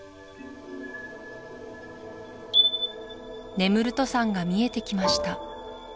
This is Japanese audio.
ネムルト山が見えてきました